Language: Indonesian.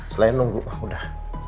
selain nunggu aku udah